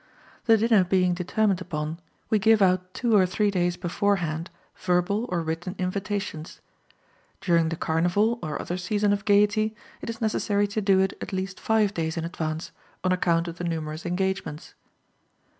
The dinner being determined upon, we give out two or three days beforehand, verbal or written invitations. During the carnival or other season of gaiety, it is necessary to do it at least five days in advance, on account of the numerous engagements.